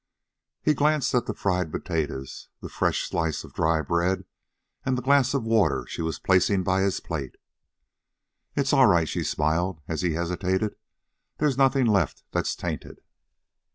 He glanced at the fried potatoes, the fresh slice of dry bread, and the glass of water she was placing by his plate. "It's all right," she smiled, as he hesitated. "There's nothing left that's tainted."